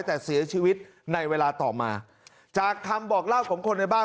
แต่เสียชีวิตในเวลาต่อมาจากคำบอกเล่าของคนในบ้าน